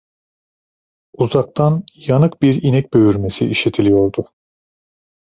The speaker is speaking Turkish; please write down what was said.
Uzaktan yanık bir inek böğürmesi işitiliyordu.